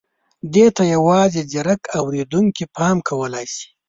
دې ته یوازې ځيرک اورېدونکي پام کولای شي.